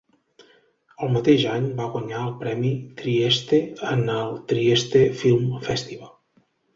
El mateix any va guanyar el Premi Trieste en el Trieste Film Festival.